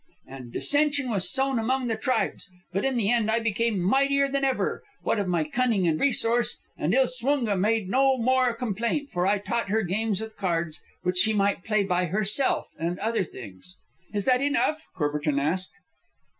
And dissension was sown among the tribes; but in the end I became mightier than ever, what of my cunning and resource; and Ilswunga made no more complaint, for I taught her games with cards which she might play by herself, and other things_.'" "Is that enough?" Courbertin asked.